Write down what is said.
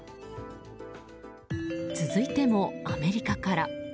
続いてもアメリカから。